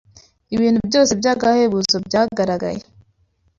Ibintu byose by’agahozo byagaragaye